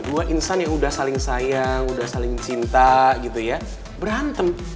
dua insan yang udah saling sayang udah saling cinta gitu ya berantem